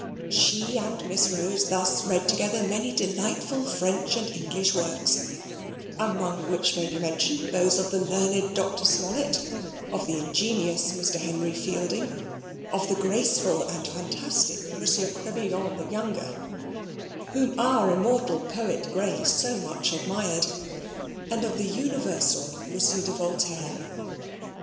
She and Miss Rose thus read together many delightful French and English works, among which may be mentioned those of the learned Dr. Smollett, of the ingenious Mr. Henry Fielding, of the graceful and fantastic Monsieur Crebillon the younger, whom our immortal poet Gray so much admired, and of the universal Monsieur de Voltaire.